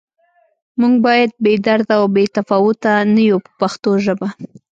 موږ باید بې درده او بې تفاوته نه یو په پښتو ژبه.